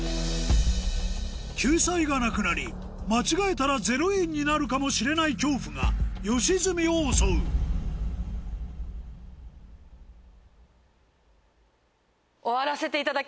救済がなくなり間違えたら０円になるかもしれない恐怖が吉住を襲うえっ？